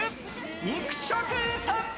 肉食さんぽ。